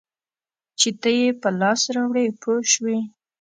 چې ته یې په لاس راوړې پوه شوې!.